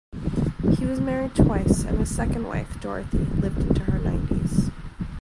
He was married twice and his second wife, Dorothy, lived into her nineties.